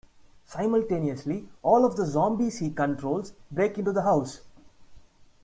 Simultaneously, all of the zombies he controls break into the house.